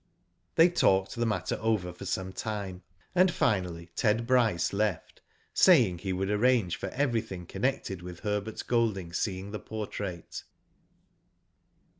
They talked the matter over for some time, and, finally, Ted Bryce left, saying he would arrange for everything connected with Herbert Golding seeing the portrait.